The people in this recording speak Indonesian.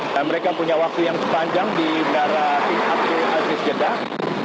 dan mereka punya waktu yang sepanjang di benara timah pemangku aziz jeddah